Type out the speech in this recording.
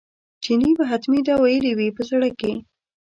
چیني به حتمي دا ویلي وي په زړه کې.